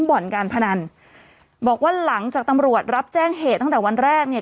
บ่อนการพนันบอกว่าหลังจากตำรวจรับแจ้งเหตุตั้งแต่วันแรกเนี่ย